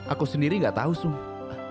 aku sendiri gak tahu suh